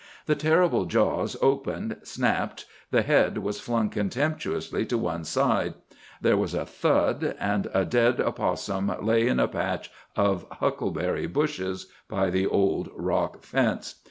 The terrible jaws opened, snapped, the head was flung contemptuously to one side, there was a thud, and a dead opossum lay in a patch of huckleberry bushes by the old rock fence.